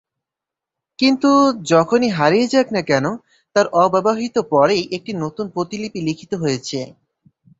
কিন্তু যখনই হারিয়ে যাক না কেন, তার অব্যবহিত পরেই একটি নতুন প্রতিলিপি লিখিত হয়েছিল।